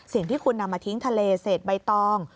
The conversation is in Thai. สิ่งที่คุณนำมาทิ้งทะเลเศษใบตอง